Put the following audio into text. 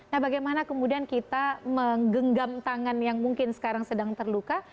nah bagaimana kemudian kita menggenggam tangan yang mungkin sekarang sedang terluka